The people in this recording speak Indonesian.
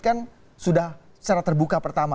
kan sudah secara terbuka pertama